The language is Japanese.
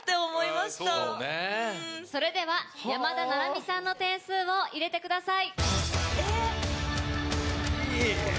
それでは山田七海さんの点数を入れてください。